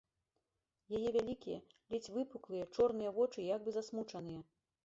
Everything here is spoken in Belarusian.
Яе вялікія, ледзь выпуклыя, чорныя вочы як бы засмучаныя.